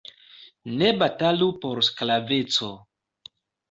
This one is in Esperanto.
Ne batalu por sklaveco!